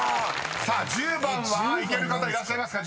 ［さあ１０番はいける方いらっしゃいますか？